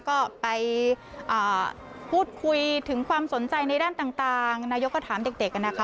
ก็ไปพูดคุยถึงความสนใจในด้านต่างนายกก็ถามเด็กนะคะ